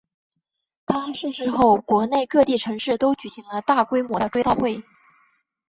他逝世后国内各地城市都举行了大规模的追悼会。